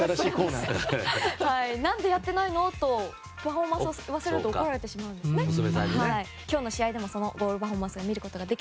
何でやっていないの？とパフォーマンスを忘れると娘さんに怒られるそうです。